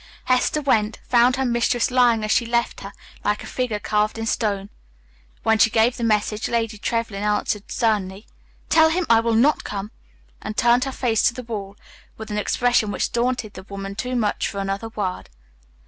Hester went, found her mistress lying as she left her, like a figure carved in stone. When she gave the message, Lady Trevlyn answered sternly, "Tell him I will not come," and turned her face to the wall, with an expression which daunted the woman too much for another word.